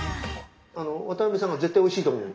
渡辺さんが絶対おいしいと思う？